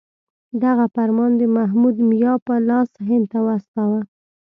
دغه فرمان د محمود میا په لاس هند ته واستاوه.